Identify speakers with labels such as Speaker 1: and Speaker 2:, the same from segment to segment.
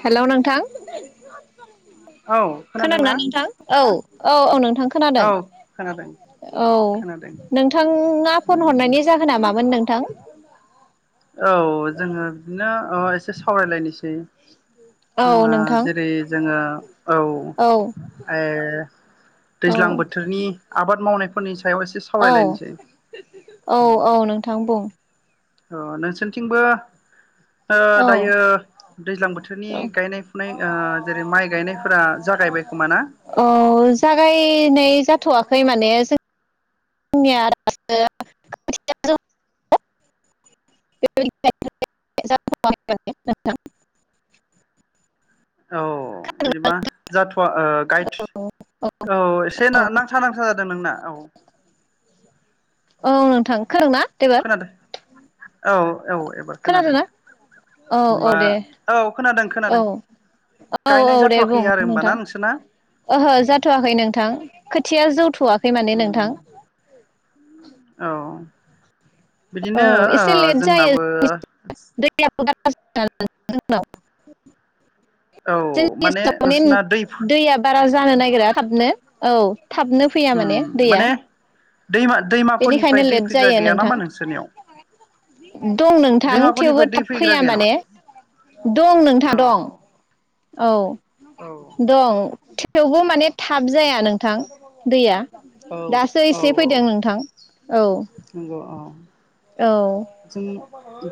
Speaker 1: Hello नोंथां
Speaker 2: औ खोनादोंना
Speaker 1: खोदोंना नोंथां औ औ औ नों नोंथां खोनादों
Speaker 2: औ खोनादों
Speaker 1: औ
Speaker 2: खोनादों
Speaker 1: नोंथाङा फन
Speaker 2: उम
Speaker 1: हरनायनि जाहोना मामोन नोंथां
Speaker 2: औ जोङो बिदिनो ओ सावरायलायनोसै
Speaker 1: औ
Speaker 2: ओ
Speaker 1: नोंथां
Speaker 2: जेरै जोङो औ
Speaker 1: औ
Speaker 2: ओ
Speaker 1: औ
Speaker 2: दैज्लां बोथोरनि आबाद मावनाय खननैसो
Speaker 1: औ औ औ नोंथां बुं।
Speaker 2: अ नोंसोरथिंबो ओ
Speaker 1: औ
Speaker 2: दायो दैज्लां बोथोरनि गायनाय फुनाय ओ जेरै माइ गायनायफोरा जागायबाय खोमा ना?
Speaker 1: खै माने जों निया दासो [unintelligible]
Speaker 2: औ बिदिबा जाथ'वा ओ गाइड औ एसे
Speaker 1: औ
Speaker 2: नांथा नांथा जादों नोंना। औ
Speaker 1: औ नोंथां खोंनादोंना?
Speaker 2: खोनादों औ औ एबार खोनादों
Speaker 1: खोनादोंना औ औ
Speaker 2: होमबा
Speaker 1: दे
Speaker 2: औ खोनादों
Speaker 1: औ
Speaker 2: खोनादों
Speaker 1: औ
Speaker 2: गायनाय
Speaker 1: औ दे
Speaker 2: जाथ'वाखै
Speaker 1: बुं
Speaker 2: आरो होमबा ना
Speaker 1: नोंथां,
Speaker 2: नोंसोरना
Speaker 1: ओहो जाथ'वाखै नोंथां खोथिया जौथ'वाखै माने
Speaker 2: उम
Speaker 1: नोंथां।
Speaker 2: औ
Speaker 1: औ
Speaker 2: बिदिनो
Speaker 1: एसे
Speaker 2: ओ
Speaker 1: लेट जायो
Speaker 2: जोंनाबो
Speaker 1: [unintelligible] [unintelligible] [unintelligible]
Speaker 2: औ माने नोंसोरना दै
Speaker 1: दैया बारा जानो नागिरा थाबनो औ थाबनो फैया माने दैया।
Speaker 2: दैमा
Speaker 1: बेनिखायनो
Speaker 2: दैमाफोरनिफ्राय दै
Speaker 1: लेट
Speaker 2: फैग्रा
Speaker 1: जायो
Speaker 2: गैया
Speaker 1: नोंथां।
Speaker 2: नामा नोंसोरनियाव
Speaker 1: दं नोंथां थेवबो
Speaker 2: दैमाफोरनिफ्राय दै
Speaker 1: थाब
Speaker 2: फैग्रा
Speaker 1: फैया
Speaker 2: गैया नामा
Speaker 1: माने दं नोंथां
Speaker 2: औ
Speaker 1: दं। औ
Speaker 2: औ
Speaker 1: दं थेवबो माने थाब जाया नोंथां दैया
Speaker 2: औ
Speaker 1: दासो एसे
Speaker 2: औ औ
Speaker 1: फैदों नोंथां औ।
Speaker 2: नंगौ औ
Speaker 1: औ
Speaker 2: जों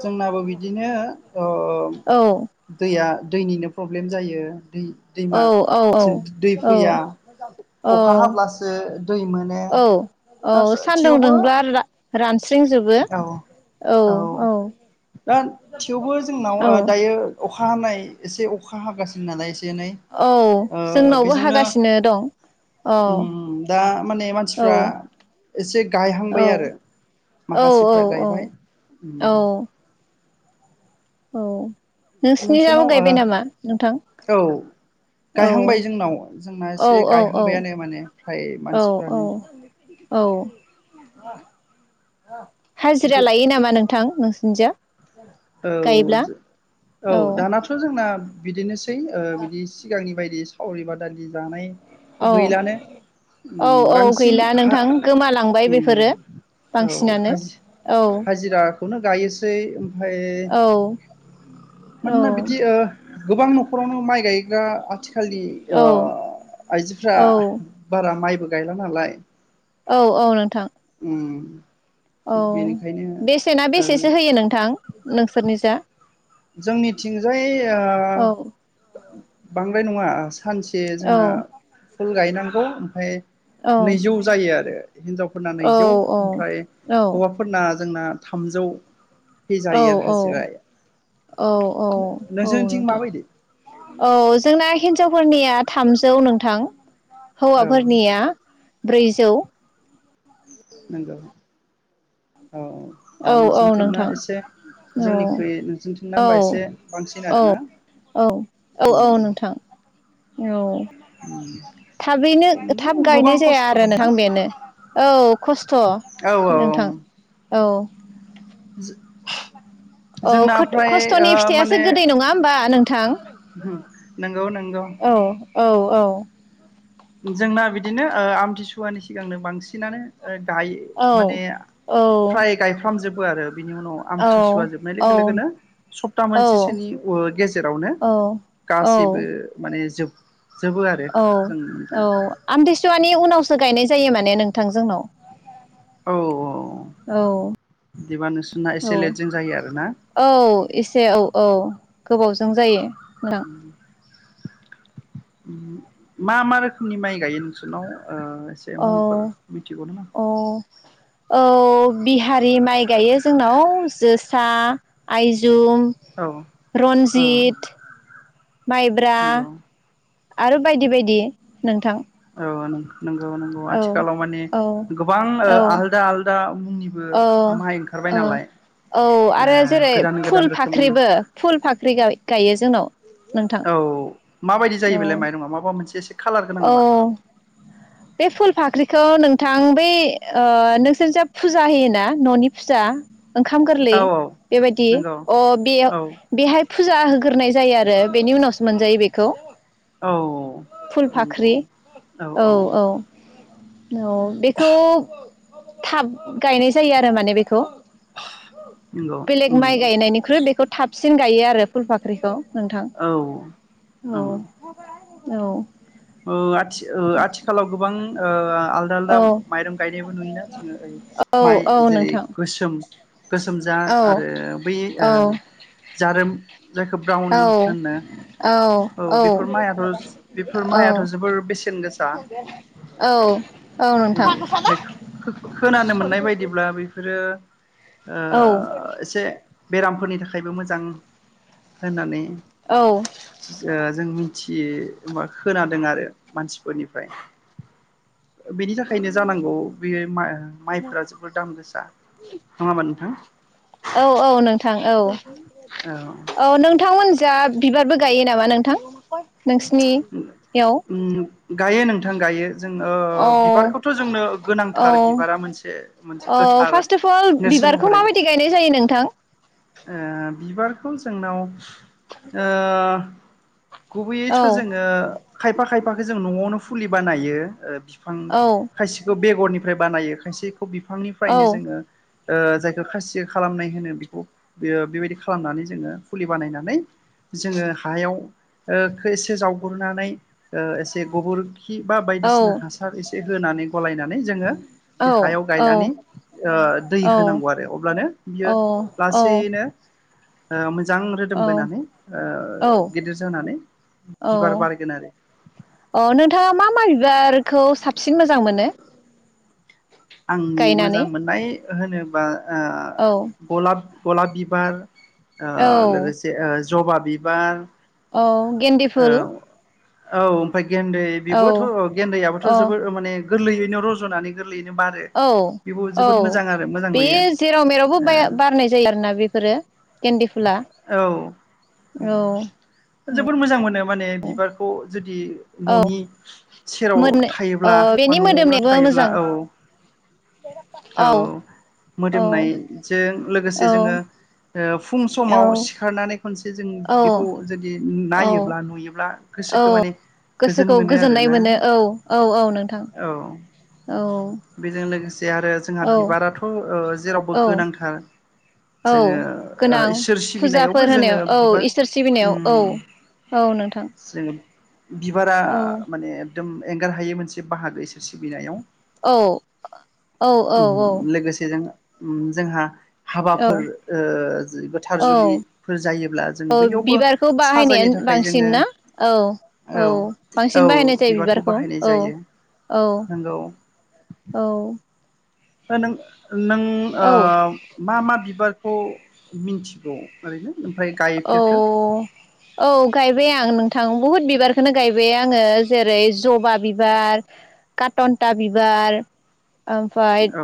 Speaker 2: जोंनाबो बिदिनो ओ दैया दैनिनो प्र'ब्लेम जायो दै
Speaker 1: औ
Speaker 2: दैमा
Speaker 1: औ
Speaker 2: जों दै
Speaker 1: औ
Speaker 2: फैया
Speaker 1: औ
Speaker 2: अखा हाब्लासो दै मोनो
Speaker 1: औ औ
Speaker 2: आसा
Speaker 1: सानदुं
Speaker 2: थेवबो
Speaker 1: दुंब्ला रा रानस्रिंजोबो
Speaker 2: औ औ रान थेवबो जोंनाव
Speaker 1: औ
Speaker 2: दायो अख अखा हानाय एसे अखा हागासिनो नालाय एसे दिनै
Speaker 1: औ
Speaker 2: ओ
Speaker 1: जोंनावबो
Speaker 2: बेजोंनो
Speaker 1: हागासिनो दं औ
Speaker 2: दा माने मानसिफ्रा
Speaker 1: औ
Speaker 2: एसे
Speaker 1: औ
Speaker 2: गायहांबाय आरो
Speaker 1: औ
Speaker 2: माखासेफ्रा गायबाय
Speaker 1: औ
Speaker 2: उम।
Speaker 1: औ औ। नोंसिनि जाबो
Speaker 2: नोंसोरनाव
Speaker 1: गायबाय नामा नोंथां।
Speaker 2: ओ औ
Speaker 1: औ
Speaker 2: गायहांबाय जोंनाव जोंना
Speaker 1: औ
Speaker 2: एसे
Speaker 1: औ औ
Speaker 2: गायहांबायानो माने फ्राय
Speaker 1: औ
Speaker 2: मानसिफ्रानो
Speaker 1: औ औ। हाजिरा
Speaker 2: गो
Speaker 1: लायो नामा नों थां नोंसिनिजा।
Speaker 2: औ
Speaker 1: गायोब्ला
Speaker 2: औ दानाथ जोंना। बिदिनो ओ बिदि सिगांनि बबायदि सावरि बादालि जानाय थ
Speaker 1: औ
Speaker 2: गैलानो
Speaker 1: औ
Speaker 2: ओम
Speaker 1: औ
Speaker 2: बांसिन
Speaker 1: गैला
Speaker 2: हा
Speaker 1: नोंथां गोमालांबाय बेफोरो
Speaker 2: औ
Speaker 1: बांसिनानो औ
Speaker 2: हाजिराखौनो गायोसै ओमफ्राय
Speaker 1: औ औ
Speaker 2: मानोना बिदि गोबां न खरावनो माइ गायग्रा आ थिखालनि
Speaker 1: औ
Speaker 2: आइजोफ्रा
Speaker 1: औ
Speaker 2: बारा माइबो गायला नालाय।
Speaker 1: औ औ नोंथां।
Speaker 2: उम।
Speaker 1: औ
Speaker 2: थिग बेनिखायनो
Speaker 1: बेसेना
Speaker 2: ओ
Speaker 1: बेसेसो होयो नोंथां नोंसोरनि जा।
Speaker 2: जोंनिथिंजाय।
Speaker 1: औ
Speaker 2: ओ। बांद्राय नङा। सानसे
Speaker 1: औ
Speaker 2: जोंना। फुल गायनांगौ ओमफ्राय।
Speaker 1: औ
Speaker 2: नैजौ जायो आरो हिनजावफोरना
Speaker 1: औ
Speaker 2: नैजौ ओमफ्राय
Speaker 1: औ
Speaker 2: हौवाफोरना जोंना थामजौ [unintelligible] जायो आरो हाजिराया।
Speaker 1: औ औ औ
Speaker 2: नोंसोरनिथिं
Speaker 1: नोंथां
Speaker 2: माबायदि
Speaker 1: औ जोंना हिनजाव फोरनिया थामजौ नोंथां।
Speaker 2: औ
Speaker 1: हौवाफोरनिया ब्रैजौ
Speaker 2: नंगौ। औ होमबा
Speaker 1: औ औ
Speaker 2: नोंसोरथिंना
Speaker 1: नोंथां
Speaker 2: एसे
Speaker 1: औ
Speaker 2: जोंनिख्रुइ नोंसोरथिंना
Speaker 1: औ
Speaker 2: होमबा एसे बांसिन
Speaker 1: औ
Speaker 2: आरोना
Speaker 1: औ औ
Speaker 2: उम।
Speaker 1: औ नोंथां औ। थाबैनो
Speaker 2: नंगौ
Speaker 1: थाब
Speaker 2: गोबां
Speaker 1: गायनाय जाया
Speaker 2: खस्थ'
Speaker 1: आरो
Speaker 2: दंना
Speaker 1: नोंथां बेनो औ खस्थ'
Speaker 2: औ औ औ
Speaker 1: नोंथां। औ।
Speaker 2: [inaudible]
Speaker 1: अ
Speaker 2: जोंना
Speaker 1: खथ
Speaker 2: फ्राय ओ
Speaker 1: खस्थ'नि फिथाइयासो
Speaker 2: माने
Speaker 1: गोदै नङा होमबा नोंथां
Speaker 2: नंगौ नंगौ
Speaker 1: औ। औ औ।
Speaker 2: जोंना बिदिनो ओ आमथिसुवानि सिगांनो बांसिनानो गाय माने
Speaker 1: औ औ
Speaker 2: फ्राय गायफ्रामजोब बो आरो । बिनि उनाव
Speaker 1: औ
Speaker 2: आमथिसुवा जोबनाय लोगो लोगोनो सप्ता
Speaker 1: औ
Speaker 2: मोनसेसोनि ओ गेजेरावनो
Speaker 1: औ औ
Speaker 2: गासैबो माने जोब जोबो आरो
Speaker 1: औ
Speaker 2: जोंनि
Speaker 1: औ आमथिसुवानि उनाव सो गायनाय जायो माने नोंथां जोंनाव।
Speaker 2: औ औ।
Speaker 1: औ
Speaker 2: बिदिबा नोंसोरना
Speaker 1: औ
Speaker 2: एसे लेटजों जायो आरोना
Speaker 1: औ एसे औ औ। गोबावजों जायो। नोंथां
Speaker 2: उम। मा मा रोखोमनि माइ गायो नोंसोरनाव? ओ एसे
Speaker 1: औ
Speaker 2: मुंफोर मिथिगौ नामा?
Speaker 1: औ औ बिहारि माइ गायो जोंनाव जोसा आयज जुम
Speaker 2: औ औ
Speaker 1: रन्जित। माइब्रा।
Speaker 2: नंगौ
Speaker 1: आरो बायदि बायदि नोंथां।
Speaker 2: ओ नों नंगौ नंगौ
Speaker 1: औ
Speaker 2: आथिखालाव माने
Speaker 1: औ
Speaker 2: गोबां ओ
Speaker 1: औ
Speaker 2: आलदा आलदा मुंनिबो
Speaker 1: औ
Speaker 2: माइ ओंखारबाय
Speaker 1: ओ
Speaker 2: नालाय
Speaker 1: औ आरो
Speaker 2: ओ
Speaker 1: जेरै
Speaker 2: गोदान गोदान
Speaker 1: फुल
Speaker 2: रोखोमनि
Speaker 1: फाख्रिबो फुल फाख्रि गा गायो जोंनाव। नोंथां।
Speaker 2: माबादि जायो बेलाय माइरङा माबा मोनसे से
Speaker 1: अह बे फुल फाख्रिखौ नोंथां बै ओ नोंसोर जा फुजा होयोना ननि फुजा ओंखाम गोरलै
Speaker 2: औ औ
Speaker 1: बेबायदि
Speaker 2: नंगौ
Speaker 1: अ बेयाव
Speaker 2: औ
Speaker 1: बेहाय फुजा होग्रोनाय जायो आरो बेनि उनावसो मोनजायो बेखौ।
Speaker 2: औ औ
Speaker 1: फुल
Speaker 2: नों गौ
Speaker 1: फाख्रि
Speaker 2: औ औ
Speaker 1: औ बेखौ थाब गायनाय जायो आरो माने बेखौ
Speaker 2: नंगौ
Speaker 1: बेलेग
Speaker 2: उम
Speaker 1: माइ गायनायनिख्रुइ बेखौ थाबस सिन गायो आरो फुल फाख्रिखौ नोंथां
Speaker 2: औ
Speaker 1: औ
Speaker 2: ओं
Speaker 1: औ
Speaker 2: ओ आथि-आथिखालाव गोबां ओ आल लदा आलदा
Speaker 1: औ
Speaker 2: माइरं गायनायबो नुया जोङो ओइ माइ
Speaker 1: औ औ
Speaker 2: जेरै
Speaker 1: नोंथां
Speaker 2: गोसोम [inaudible]
Speaker 1: औ
Speaker 2: गोसोमजाद आरो बै ओ‌
Speaker 1: औ
Speaker 2: जारोम जायखौ ब्राउन
Speaker 1: औ
Speaker 2: होनो औ बेफोर माइआथ' माइआथ' जोबोर बेसेन गोसा
Speaker 1: औ
Speaker 2: औ
Speaker 1: नोंथां
Speaker 2: ओमफ्राय खो खोनानो मोननाय बायदिब्ला बेफोरो ओ
Speaker 1: औ
Speaker 2: एसे बेरामफोरनि थाखायबो मोजां होननानै
Speaker 1: औ
Speaker 2: जों मिन थि मा खोनादों आरो मानसिफोरनिफ्राय बेनि थाखायनो जानांगौ बे मा माइफोरा जोबोर दाम गोसा नङा होनबा नोंथां?
Speaker 1: थां औ
Speaker 2: औ
Speaker 1: औ नोंथांमोन जा बिबारबो गायो नामा नोंथां? नोंसिनि याव?
Speaker 2: गायो नोंथां गायो जोंनो बिबारखौथ' जोंनो
Speaker 1: औ
Speaker 2: गोनांथार बिबारा मोनसे मोनसे
Speaker 1: औ
Speaker 2: गोथार
Speaker 1: फार्स्ट अफ अल
Speaker 2: नेरसोन
Speaker 1: बिबारखौ
Speaker 2: महरै
Speaker 1: माबायदि गायनाय जायो नोंथां
Speaker 2: ओ बिबारखौ जोंनाव ओ
Speaker 1: औ
Speaker 2: गुबैयैथ' जोङो खायफा खायफाखो जों न'आवनो फुलि बानायो फि फां
Speaker 1: औ
Speaker 2: खायसेखौ बेग'रनि फ्राय बानायो खायसे
Speaker 1: औ
Speaker 2: बिफांनिफ्रायनो जोङो ओ जायखो खासि खालामनाय होनो बेखौ बेयो बेबायदि खालामनानै जोङो फुलि बानायनानै जोङो हायाव ओ खो एसे जावग्रोनानै एसे गोबर खि बा बायदिसिना
Speaker 1: औ
Speaker 2: हासार एसे होनानै गलायना नै जोङो
Speaker 1: औ
Speaker 2: बे हायाव गायनानै
Speaker 1: औ
Speaker 2: ओ दै
Speaker 1: औ
Speaker 2: होनांगौ आरो अब्लानो बियो
Speaker 1: औ औ
Speaker 2: लासैयैनो आ मो जां रोदोम बोनानै ओ
Speaker 1: औ
Speaker 2: गिदिर
Speaker 1: औ अ नोंथाङा मा मा बिबार खौ साबसिन मोजां मोनो?
Speaker 2: आंनि मोजां
Speaker 1: गायनानै
Speaker 2: मोननाय होनोबा आ
Speaker 1: औ
Speaker 2: गलाब गलाप बिबार आ
Speaker 1: औ
Speaker 2: लोगोसे ओ ज जबा बिबार
Speaker 1: औ गेन्दि
Speaker 2: औ
Speaker 1: फुल
Speaker 2: औ ओमफ्राय गेन्दै
Speaker 1: औ
Speaker 2: बेबोथ गेन्दैआाबोथ
Speaker 1: अ
Speaker 2: जोबद माने गोरलैयैनो रजनानै गोरलै
Speaker 1: औ औ
Speaker 2: मोजां
Speaker 1: बे
Speaker 2: नुयो
Speaker 1: जेराव मेरावबो बाया बारनाय जायो आरोना बेफोरो केन्दि फुला
Speaker 2: ओ
Speaker 1: औ ।
Speaker 2: जोबोद मोजां मोनो माने बिबारखौ जो दि
Speaker 1: औ
Speaker 2: ननि सेराव
Speaker 1: मोदोमनो औ
Speaker 2: थायोब्ला बा
Speaker 1: बेनि
Speaker 2: नआवनो
Speaker 1: मोदोमनायाबो
Speaker 2: थायोब्ला
Speaker 1: मोजां
Speaker 2: औ। औ
Speaker 1: औ
Speaker 2: मोदोमनायजों लोगोसे
Speaker 1: औ
Speaker 2: जोङो ओ फुं समाव सिखारनानै खनसे जों
Speaker 1: औ
Speaker 2: बेखौ जुदि
Speaker 1: औ औ
Speaker 2: नायोब्ला नुयोब्ला गोसोखौ
Speaker 1: औ
Speaker 2: माने गोजोन
Speaker 1: गोसोखौ
Speaker 2: मोनो आरो
Speaker 1: गोजोननाय
Speaker 2: ना।
Speaker 1: मोनो औ औ औ नोंथां
Speaker 2: औ
Speaker 1: औ
Speaker 2: बेजों लोगोस जे आरो जोंहा
Speaker 1: औ
Speaker 2: बिबाराथ ओ जेरावबो
Speaker 1: औ
Speaker 2: गोनांथार
Speaker 1: औ
Speaker 2: जोङो ओ
Speaker 1: गोनां
Speaker 2: इसोर सिबिनायावबो
Speaker 1: फुजाफोर
Speaker 2: जोङो
Speaker 1: होनायाव औ
Speaker 2: बिबार
Speaker 1: इसोर सिबिनायाव औ
Speaker 2: उम
Speaker 1: औ नोंथां
Speaker 2: जों [inaudible] बिबारा
Speaker 1: औ
Speaker 2: माने एकदम एंगारहायि मोनसे बाहागो इसोर सिबिनायाव।
Speaker 1: औ औ औ औ
Speaker 2: उम जोंहा
Speaker 1: औ
Speaker 2: हाबाफोर गोथार
Speaker 1: औ
Speaker 2: जुलिफोर जायोब्ला जों
Speaker 1: औ
Speaker 2: बैयावबो
Speaker 1: बिबारखौ बाहायनाया
Speaker 2: साजायनो थाखाय जोङो
Speaker 1: बांसिन ना औ
Speaker 2: औ
Speaker 1: बांसिन
Speaker 2: औ
Speaker 1: बाहायनाय जायो
Speaker 2: बिबारखौ बाहायनाय
Speaker 1: औ
Speaker 2: जायो
Speaker 1: औ
Speaker 2: नंगौ ।
Speaker 1: औ
Speaker 2: [unintelligible] नों
Speaker 1: औ
Speaker 2: ओ मा मा बिबार खौ मिन्थिगौ ओरैनो ओमफ्राय
Speaker 1: औ
Speaker 2: गायफेरखो
Speaker 1: औ गाय गायबाय आं नोंथां बुहुत बिबारखौनो गायबाय आङो जेरै जबा बिबार कटनटा बिबार ओमफाय
Speaker 2: औ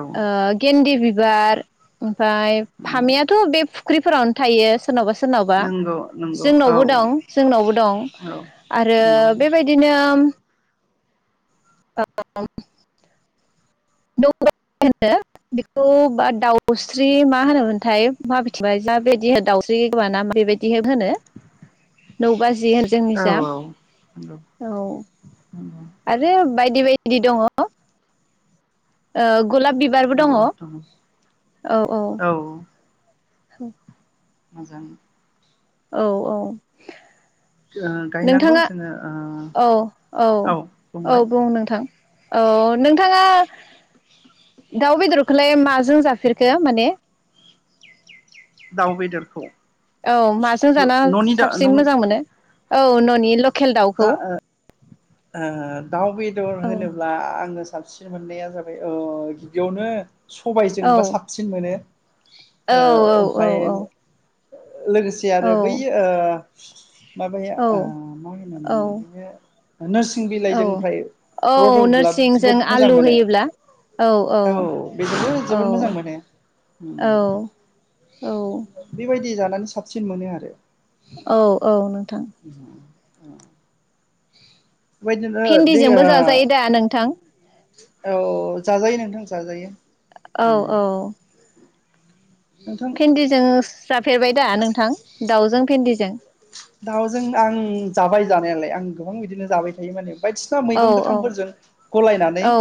Speaker 1: गेन्दि बि बार ओमफ्राय फामियाथ बे फुख्रिफोरावनो थायो सोरनावबा सोर सोरनावबा
Speaker 2: नंगौ नंगौ औ
Speaker 1: जोंनावबो दं जोंनावबो दं
Speaker 2: औ
Speaker 1: आरो
Speaker 2: नंगौ
Speaker 1: बेबायदिनो [unintelligible] नौ होनो बेखौ बा दाउस्रि मा होनोमोनथाय माथिबाय माबदि दाउस्रि गोबाना बेबायदि होनो नौबा जिहोन जोंनि
Speaker 2: औ
Speaker 1: जा
Speaker 2: औ नंगौ
Speaker 1: औ
Speaker 2: नंगौ
Speaker 1: आरो बायदि बायदि दङ ओ गुलाब बिबारबो दङ
Speaker 2: नंगौ
Speaker 1: औ
Speaker 2: नोंथां
Speaker 1: औ होम
Speaker 2: मोजां
Speaker 1: औ औ
Speaker 2: ओ
Speaker 1: [inaudible]
Speaker 2: गायनांगौ
Speaker 1: नोंथाङा
Speaker 2: जोङो ओ
Speaker 1: औ औ औ बुं नोंथां औ नोंथाङा दाउ बेदरखोलाय माजों जाफेरखो माने
Speaker 2: दाउ बेदरखौ
Speaker 1: औ माजों जानाह
Speaker 2: न'नि दा
Speaker 1: साबसिन मोजां मोनो औ ननि ल
Speaker 2: दा ओ ओ दाउ बेदर
Speaker 1: औ
Speaker 2: होनोब्ला आङो स साबसिन मोननाया जाबाय ओ गिबियावनो
Speaker 1: औ
Speaker 2: सबायजोंबा साबसिन मोनो
Speaker 1: औ
Speaker 2: ओ
Speaker 1: औ औ
Speaker 2: ओमफ्राय
Speaker 1: औ
Speaker 2: लोगोसे आरो
Speaker 1: औ
Speaker 2: बैयो ओ [inaudible] माबाया
Speaker 1: औ
Speaker 2: ओ माहो
Speaker 1: औ
Speaker 2: नोरसिं
Speaker 1: औ
Speaker 2: बिलाइजोंफ्रायो
Speaker 1: औ
Speaker 2: रूदब्लाब जोबोद
Speaker 1: नोरसिंजों
Speaker 2: मोजां
Speaker 1: आलु
Speaker 2: मोनो
Speaker 1: होयोब्ला
Speaker 2: औ बेदोबो जोबोद मोजां मोनो
Speaker 1: औ
Speaker 2: ।
Speaker 1: औ
Speaker 2: बेबायदि जानानै साबसिन मोनो आरो।
Speaker 1: औ औ नोंथां।
Speaker 2: ओमह
Speaker 1: भेन्दिजोंबो
Speaker 2: ओ
Speaker 1: जाजायो दा नोंथां।
Speaker 2: औ जाजायो नोंथां जाजायो।
Speaker 1: औ
Speaker 2: उम
Speaker 1: औ।
Speaker 2: नोंथां
Speaker 1: भेन्दिजोंस जाफेरबाय दा नोंथां दाउजों भेन्दिजों।
Speaker 2: दाउजों आं जाबाय जानायालाय आं गोबां बिदिनो जाबाय थायो माने बायदिसिना
Speaker 1: औ
Speaker 2: मैगं
Speaker 1: औ
Speaker 2: गोथांफोरजों गलायनानै
Speaker 1: औ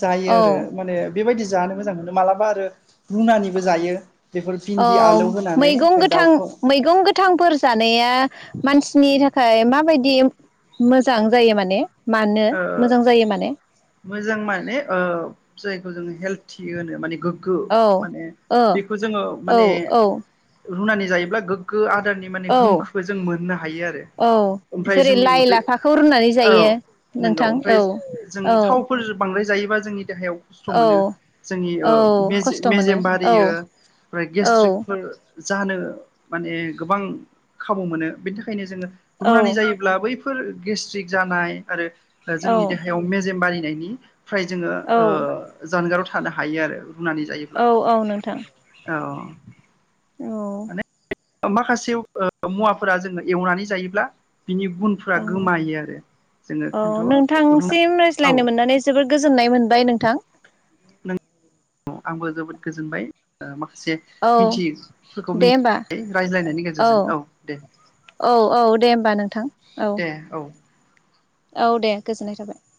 Speaker 2: जायो
Speaker 1: औ
Speaker 2: आरो माने बेबायदि जानो मोजां मोनो मालाबा आरो रुनानैबो जायो बेफोर
Speaker 1: अ
Speaker 2: भिन्दि आलौ होनानै
Speaker 1: मैगं
Speaker 2: ओमफ्राय
Speaker 1: गोथां
Speaker 2: दाउखौ
Speaker 1: मैगं गोथांफोर जानाया मानसिनि थाखाय खाय माबायदि मोजां जायो माने मानो
Speaker 2: ओ
Speaker 1: मोजां जायो माने
Speaker 2: मोजां माने ओ जाय खौ जोङो हेल्टि होनो माने गो गो
Speaker 1: औ
Speaker 2: माने
Speaker 1: ओ
Speaker 2: बेखौ जोङो
Speaker 1: औ
Speaker 2: माने
Speaker 1: औ
Speaker 2: रुनानै जायोब्ला गोग्गो आरो दाननि माने
Speaker 1: औ
Speaker 2: गुनखौबो जों मोननो हायो आरो
Speaker 1: औ
Speaker 2: ओमफ्राय
Speaker 1: जेरै
Speaker 2: जोंनि
Speaker 1: लाइ
Speaker 2: उदै
Speaker 1: लाफाखौ रुनानै जायो
Speaker 2: औ। नोंगौ
Speaker 1: नोंथां
Speaker 2: ओमफ्राय
Speaker 1: औ
Speaker 2: जों
Speaker 1: औ
Speaker 2: थावफोर बा ओमफ्राय जायोबा जोंनि देहायाव खस्थ
Speaker 1: औ
Speaker 2: मोनो जोंनि ओ
Speaker 1: औ
Speaker 2: बेजे
Speaker 1: खस्थ' मोनो
Speaker 2: मेजेम
Speaker 1: औ
Speaker 2: बारियो ओमफ्राय
Speaker 1: औ
Speaker 2: गेस्ट्रिकफोर जानो माने गोबां खाबु मोनो बेनि थाखायनो जोङो
Speaker 1: औ
Speaker 2: रुनानै जायोब्ला बै बेफोर गेस्ट्रिक जानाय आरो जोंनि
Speaker 1: औ
Speaker 2: देहायाव मेजेमबारि जायनि फ्राय जोङो ओ
Speaker 1: औ
Speaker 2: जानगाराव थानो हायो आरो। रुनानै जायोब्ला
Speaker 1: औ औ नोंथां
Speaker 2: औ।
Speaker 1: औ।
Speaker 2: ओ माखासेव ओ मुवाफोरा जोङो एवनानै जायोब्ला बिनि गुनफोरा
Speaker 1: औ
Speaker 2: गोमायो आरो जोङो
Speaker 1: औ
Speaker 2: खिन्थु रुना
Speaker 1: नोंथांसिम
Speaker 2: औ
Speaker 1: रायज्लायनो मोननानै जोबोर गोजोननाय मोनबाय नोंथां।
Speaker 2: औ आंबो जोबोद गोजोनबाय ओ माख से
Speaker 1: औ
Speaker 2: मिन्थियै फोरखौ
Speaker 1: दे होमबा
Speaker 2: मिन्थिबाय रायज्लायनायनि गेजेरजों औ दे
Speaker 1: औ औ दे होमबा नोंथां औ
Speaker 2: दे औ।
Speaker 1: औ दे गोजोननाय थाबाय।